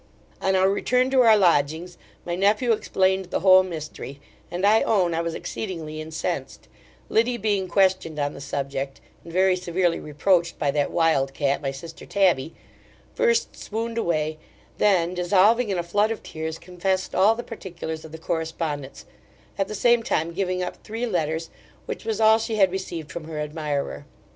On our return to our lodgings, my nephew explained the whole mystery; and I own I was exceedingly incensed Liddy being questioned on the subject, and very severely reproached by that wildcat my sister Tabby, first swooned away, then dissolving in a flood of tears, confessed all the particulars of the correspondence, at the same time giving up three letters, which was all she had received from her admirer.